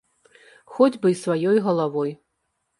Хоць бы і сваёй галавой!